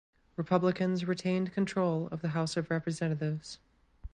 Republicans retained control of the house of representatives.